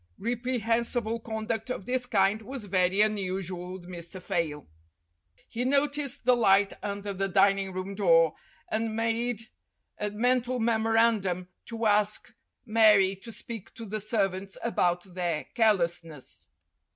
Repre hensible conduct of this kind was very unusual with Mr. Fayle. He noticed the light under the dining room door, and made a mental memorandum to ask Mary to speak to the servants about their carelessness.